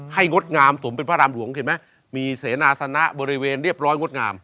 งดงามสมเป็นพระรามหลวงเห็นไหมมีเสนาสนะบริเวณเรียบร้อยงดงาม